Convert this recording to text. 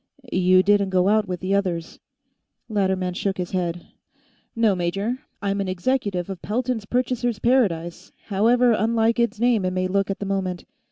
"You didn't go out with the others." Latterman shook his head. "No, major; I'm an executive of Pelton's Purchasers' Paradise, however unlike its name it may look at the moment.